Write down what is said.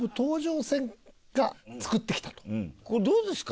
これどうですか？